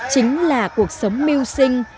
chính là cuộc sống mưu sinh